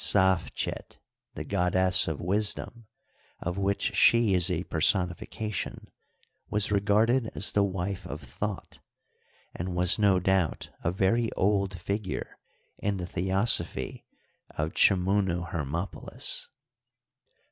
Sdfchet, the goddess of wisdom, of which she is a personification, was regarded as the wife of Thot, and was no doubt a very old figure in the theosophy of Chmunu Hermopolis.